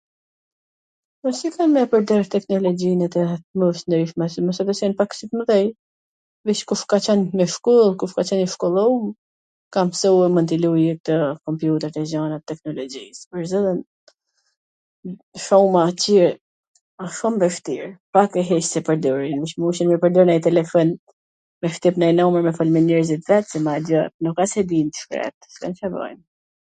Po si me e pwrdor teknologjin ... se mos e besojn pak si t mwdhej, mir kush ka qwn me shkoll, kush ka qwn i shkollum, ka msu tw luj kompjuter e gjana t teknologjis, pwr zotin, shum atje, asht shum vwshtir, pak e pwrdorin, veC me pwrdor ndonj telefon, me shtyp ndonj numur me fol me njerzit vet, se madje nuk a se din t shkretwt, s kan Ca bajn...